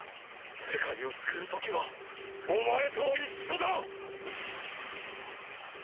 世界を救う時はお前と一緒だ！！